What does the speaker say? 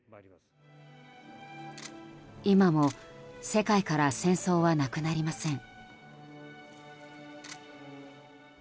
今も世界から戦争はなくなりません。